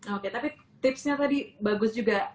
oke tapi tipsnya tadi bagus juga